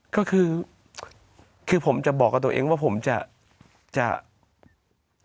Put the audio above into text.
ก็คือคือผมจะบอกกับตัวเองว่าผมจะจะ